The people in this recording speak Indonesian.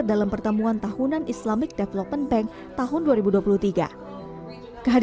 dan memiliki dokumentasi yang benar